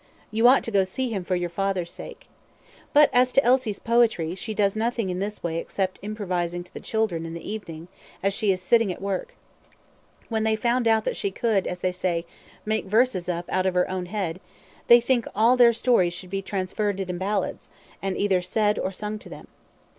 You ought to go to see him for your father's sake. But as to Elsie's poetry, she does nothing in this way except improvising to the children in the evening, as she is sitting at work. When they found out that she could, as they said, 'make verses up out of her own head,' they think all their stories should be transferred into ballads, and either said or sung to them.